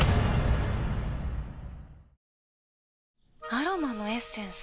アロマのエッセンス？